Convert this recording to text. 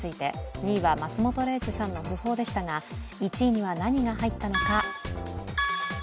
２位は松本零士さんの訃報でしたが１位には何が入ったのか。